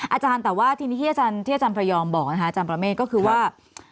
อาจารย์แต่ว่าทีนี้ที่อาจารย์พระยอมบอกนะคะอาจารย์ประเมฆก็คือว่า